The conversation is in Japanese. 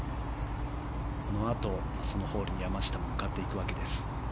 このあと、そのホールに山下も向かっていきます。